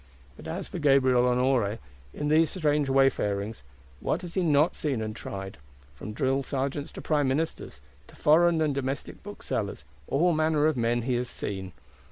But as for Gabriel Honoré, in these strange wayfarings, what has he not seen and tried! From drill sergeants, to prime ministers, to foreign and domestic booksellers, all manner of men he has seen.